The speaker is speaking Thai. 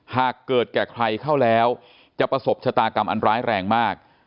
หากเกิดแก่ใครเข้าแล้วจะประสบชะตากรรมอันร้ายแรงมาก